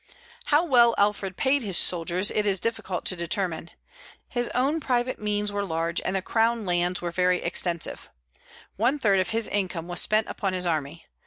How well Alfred paid his soldiers it is difficult to determine. His own private means were large, and the Crown lands were very extensive. One third of his income was spent upon his army.